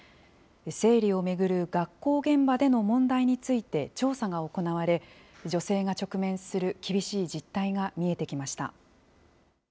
生理を巡る学校現場での問題について、調査が行われ、女性が直面する厳しい実態が見えてきました。